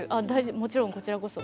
もちろん、こちらこそ。